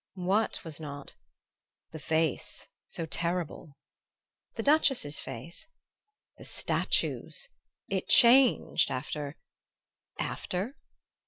"What was not?" "The face so terrible." "The Duchess's face?" "The statue's. It changed after " "After?"